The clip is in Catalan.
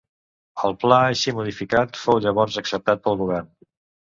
El pla, així modificat, fou llavors acceptat pel govern.